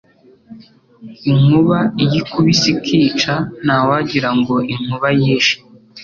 Inkuba iyo ikubise ikica, ntawagira ngo inkuba yishe